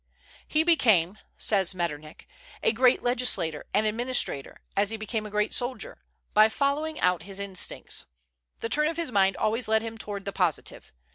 "He became," says Metternich, "a great legislator and administrator, as he became a great soldier, by following out his instincts. The turn of his mind always led him toward the positive.